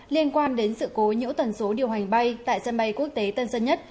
liên quan đến sự cố nhỡ tần số điều hành bay tại sân bay quốc tế tân sơn nhất